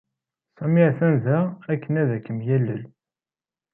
Sami atan da akken ad kem-yalel.